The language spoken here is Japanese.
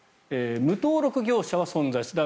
無登録業者は存在する。